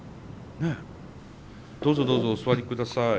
どうぞどうぞお座りください。